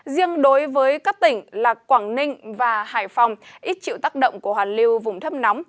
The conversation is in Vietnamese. riêng đối với các tỉnh là quảng ninh và hải phòng ít chịu tác động của hoàn lưu vùng thấp nóng